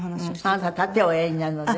あなた殺陣おやりになるのでね。